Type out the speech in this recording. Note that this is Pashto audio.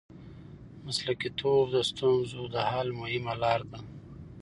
مسلکیتوب د ستونزو د حل مهمه لار ده.